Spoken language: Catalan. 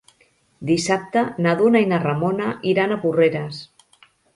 Dissabte na Duna i na Ramona iran a Porreres.